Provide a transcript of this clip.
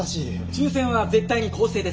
抽選は絶対に公正です。